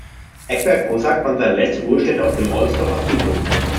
Egbert Kossak fand seine letzte Ruhestätte auf dem Ohlsdorfer Friedhof.